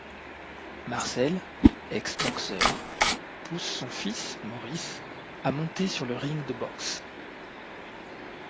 Marcel, ex-boxeur, pousse son fils, Maurice, à monter sur le ring de boxe.